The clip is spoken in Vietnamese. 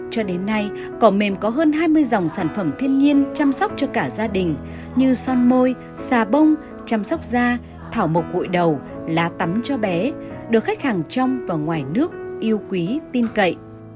cho đến nay cỏ mềm có hơn hai mươi dòng sản phẩm thiên nhiên chăm sóc cho cả gia đình như son môi xà bông chăm sóc da thảo mộc gụi đầu lá tắm cho bé được khách hàng trong và ngoài nước yêu quý tin cậy